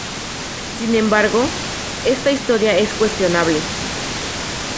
Sin embargo, esta historia es cuestionable.